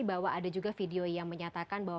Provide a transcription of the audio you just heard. bahwa ada juga video yang menyatakan bahwa